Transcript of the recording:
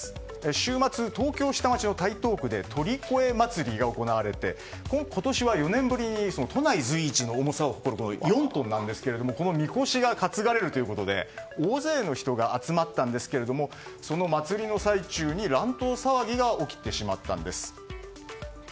週末、東京下町の台東区で鳥越まつりが行われて今年は４年ぶりに都内随一の重さを誇る４トンなんですけれどもこのみこしが担がれるということで大勢の人が集まったんですがその祭りの最中に乱闘騒ぎが起きてしまったんです。